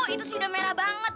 itu sih udah merah banget